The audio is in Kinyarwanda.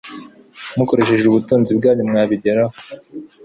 mukoresheje ubutunzi bwanyu mwabigeraho